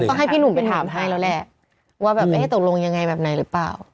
ให้พี่หนุ่มไปถามให้แล้วแหละว่าแบบเอ๊ะตกลงยังไงแบบไหนหรือเปล่า